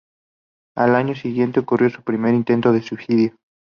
Al año siguiente ocurrió su primer intento de suicidio.